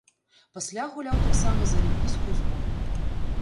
Пасля гуляў таксама за алімпійскую зборную.